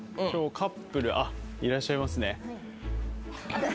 今日カップルあ、いらっしゃいますね。